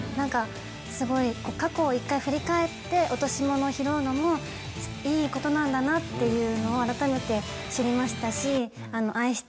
すごい過去を一回振り返って落とし物を拾うのもいいことなんだなっていうのをあらためて知りましたし。